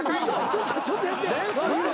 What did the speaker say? ちょっとやって。